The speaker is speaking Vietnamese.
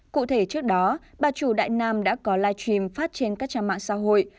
cụ thể trước đó bà chủ đại nam đã có live stream phát trên các trang mạng xã hội